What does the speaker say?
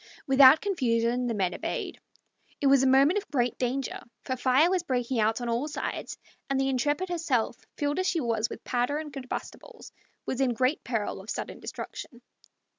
Without confusion the men obeyed. It was a moment of great danger, for fire was breaking out on all sides, and the Intrepid herself, filled as she was with powder and combustibles, was in great peril of sudden destruction.